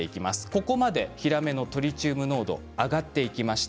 ここまでヒラメのトリチウム濃度上がっていきました。